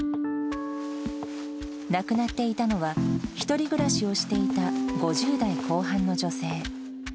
亡くなっていたのは、１人暮らしをしていた５０代後半の女性。